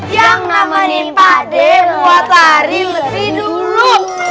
yang namenin pade buat hari lebih dulu